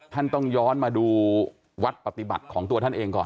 ท่านต้องย้อนมาดูวัดปฏิบัติของตัวท่านเองก่อน